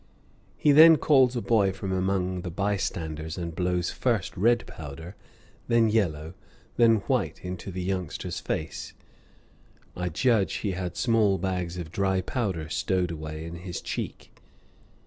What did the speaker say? He then calls a boy from among the by standers and blows first red powder, then yellow, then white into the youngster's face. I judge he had small bags of dry powder stowed away in his cheek.